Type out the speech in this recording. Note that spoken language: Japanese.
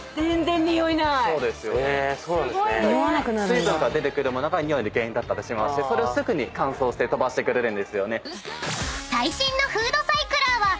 水分が出てくる物が臭いの原因だったりしてそれをすぐに乾燥して飛ばしてくれる。